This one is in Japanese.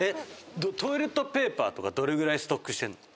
トイレットペーパーとかどれぐらいストックしてんの？